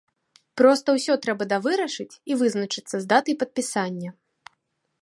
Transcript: Проста ўсё трэба давырашыць і вызначыцца з датай падпісання.